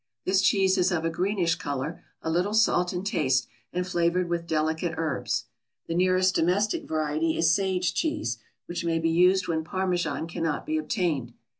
This cheese is of a greenish color, a little salt in taste and flavored with delicate herbs; the nearest domestic variety is sage cheese, which may be used when Parmesan can not be obtained.